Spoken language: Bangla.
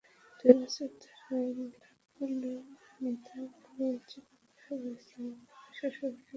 দুই বছর ধরে লাবলু মৃধা গলাচিপা পৌরসভার ইসলামবাগে তাঁর শ্বশুরের বাসায় থাকেন।